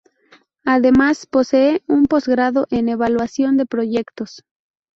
Además posee un posgrado en Evaluación de Proyectos.